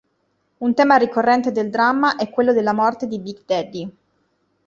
Un tema ricorrente del dramma è quello della morte di Big Daddy.